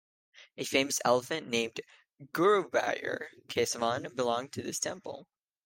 A famous elephant, named Guruvayur Kesavan, belonged to this temple.